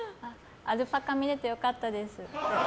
アルパカ見れて良かったです。